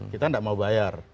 kita tidak mau bayar